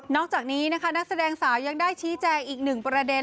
จากนี้นะคะนักแสดงสาวยังได้ชี้แจงอีกหนึ่งประเด็น